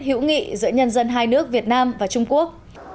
hữu nghị giữa nhân dân hai nước việt nam và trung quốc